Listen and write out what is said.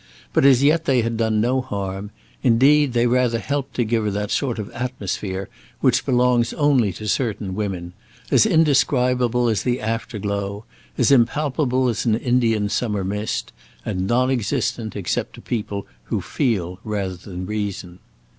But as yet they had done no harm; indeed, they rather helped to give her that sort of atmosphere which belongs only to certain women; as indescribable as the afterglow; as impalpable as an Indian summer mist; and non existent except to people who feel rather than reason.